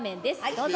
どうぞ。